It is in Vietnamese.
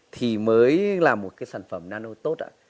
thì mới là một cái sản phẩm nano tốt ạ